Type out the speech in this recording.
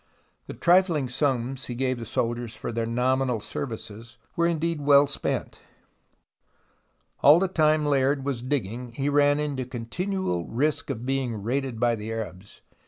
The trifling sums he gave the soldiers for their nominal services were indeed well spent. All the time Layard was digging he ran continual risk of being raided by the Arabs.